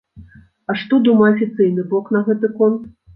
А што думае афіцыйны бок на гэты конт?